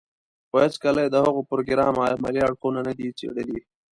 خو هېڅکله يې د هغه پروګرام عملي اړخونه نه دي څېړلي.